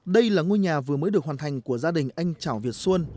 đây là ngôi nhà vừa mới được hoàn thành của gia đình anh chảo việt xuân